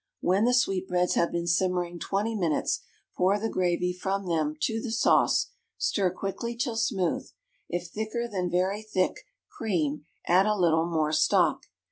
When the sweetbreads have been simmering twenty minutes, pour the gravy from them to the sauce; stir quickly till smooth. If thicker than very thick cream, add a little more stock.